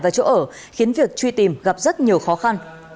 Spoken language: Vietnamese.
và chỗ ở khiến việc truy tìm gặp rất nhiều khó khăn